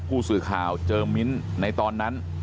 ผู้สื่อข่าวเจอมิ้นในตอนนั้น